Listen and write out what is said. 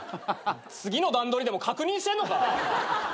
次の段取りでも確認してんのか！？